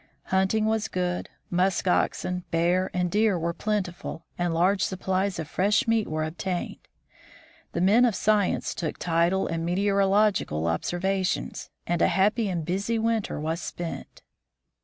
Hunt ing was good, musk oxen, bear, and deer were plentiful, and large supplies of fresh meat were obtained. The men of science took tidal and meteorological observations, and a happy and busy winter was spent.